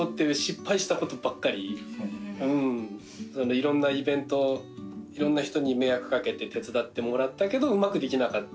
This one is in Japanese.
いろんなイベントをいろんな人に迷惑かけて手伝ってもらったけどうまくできなかった。